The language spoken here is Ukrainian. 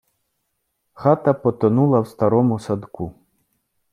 Хата потонула в старому садку.